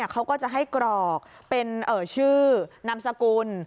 เขาก็จะให้กรอกเป็นชื่อนามสกุล